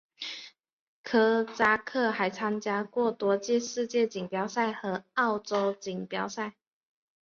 科扎克还参加过多届世界锦标赛和欧洲锦标赛。